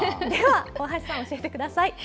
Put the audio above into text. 大橋さん、教えてください。